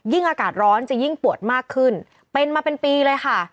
อากาศร้อนจะยิ่งปวดมากขึ้นเป็นมาเป็นปีเลยค่ะ